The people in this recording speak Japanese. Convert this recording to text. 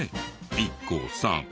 ＩＫＫＯさん。